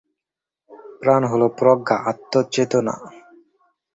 প্রাণ হল প্রজ্ঞা, আত্ম-চেতনা।